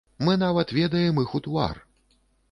Мы нават ведаем іх у твар.